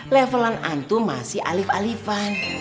levelan antu masih alif alifan